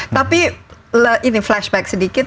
tapi flashback sedikit